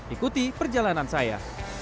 ikuti perjalanan saya